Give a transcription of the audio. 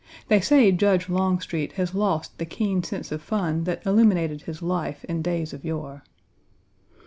They say Judge Longstreet has lost the keen sense of fun that illuminated his life in days of yore.